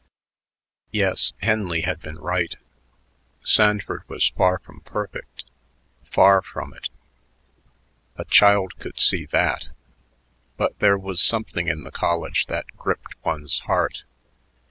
Yes, Henley had been right. Sanford was far from perfect, far from it a child could see that but there was something in the college that gripped one's heart.